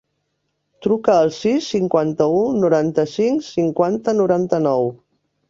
Truca al sis, cinquanta-u, noranta-cinc, cinquanta, noranta-nou.